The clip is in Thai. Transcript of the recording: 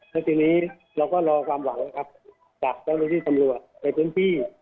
ในตรีนี้เราก็รอความหวังจากเจ้าหน้าที่สำรวจจากเจ้าหน้าที่สำรวจและเพื่อนที่